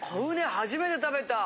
初めて食べた。